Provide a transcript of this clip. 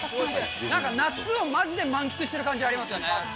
なんか夏をまじで満喫してる感じありますよね。